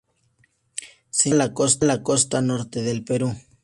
Se encuentra la costa norte del Perú.